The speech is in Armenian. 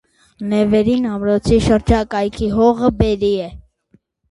Նեվերին ամրոցի շրջակայքի հողը բերրի է։